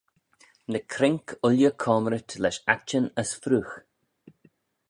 Ny cruink ooilley coamrit lesh aittin as freoagh.